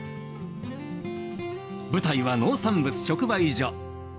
舞台は農産物直売所。